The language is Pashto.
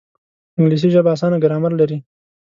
انګلیسي ژبه اسانه ګرامر لري